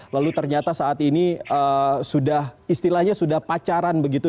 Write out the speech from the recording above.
lalu ternyata saat ini sudah istilahnya sudah pacaran begitu